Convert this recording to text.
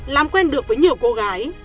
làm quen được với nhiều cô gái